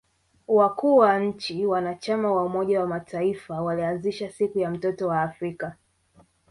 Wakuu wa nchi wanachama wa umoja wa mataifa walianzisha siku ya mtoto wa Afrika